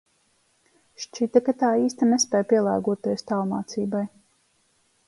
Šķita, ka tā īsti nespēj pielāgoties tālmācībai...